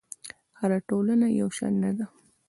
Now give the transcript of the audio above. هره ټولنه یو شان نه ده.